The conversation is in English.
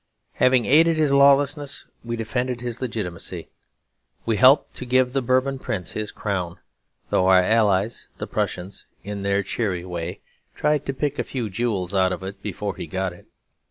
Having aided his lawlessness, we defended his legitimacy. We helped to give the Bourbon prince his crown, though our allies the Prussians (in their cheery way) tried to pick a few jewels out of it before he got it.